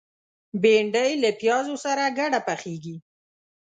بېنډۍ له پیازو سره ګډه پخېږي